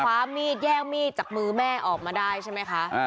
ความมีดแย่งมีดจากมือแม่ออกมาได้ใช่ไหมคะ